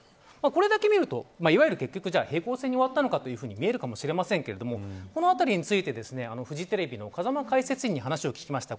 これだけ見ると結局、平行線に終わったのかと見えるかもしれませんがこのあたりについてフジテレビの風間解説委員に話を聞きました。